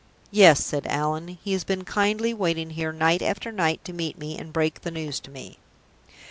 "Yes," said Allan. "He has been kindly waiting here, night after night, to meet me, and break the news to me."